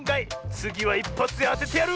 つぎはいっぱつであててやる！